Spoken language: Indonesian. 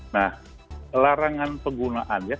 nah larangan penggunaan